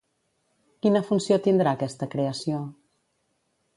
Quina funció tindrà aquesta creació?